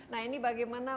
nah ini bagaimana